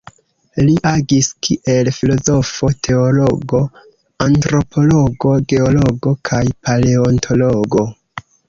Li agis kiel filozofo, teologo, antropologo, geologo kaj paleontologo.